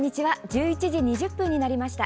１１時２０分になりました。